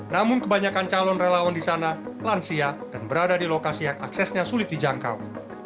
namun kebanyakan calon relawan di sana lansia dan berada di lokasi yang aksesnya sulit dijangkau